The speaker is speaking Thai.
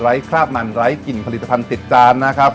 คราบมันไร้กลิ่นผลิตภัณฑ์ติดจานนะครับ